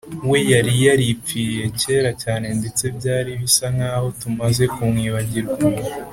we yari yaripfiriye kera cyane ndetse byari bisa nkaho tumaze kumwibagirwa